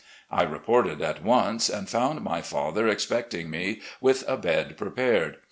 I reported at once, and found my father expecting me, with a bed prepared.